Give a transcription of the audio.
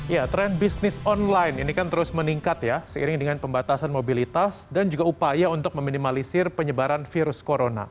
ya tren bisnis online ini kan terus meningkat ya seiring dengan pembatasan mobilitas dan juga upaya untuk meminimalisir penyebaran virus corona